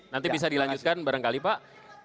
nanti bisa dilanjutkan barangkali pak